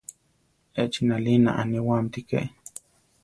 Echi nalina aniwáamti ké.